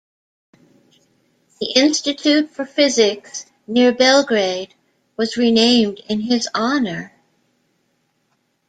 The Institute for Physics, near Belgrade, was renamed in his honour.